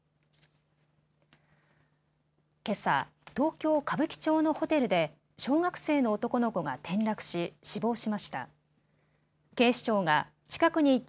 けさ、東京歌舞伎町のホテルで小学生の男の子が転落し死亡しました。